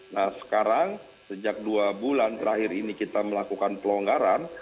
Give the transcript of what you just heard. nah sekarang sejak dua bulan terakhir ini kita melakukan pelonggaran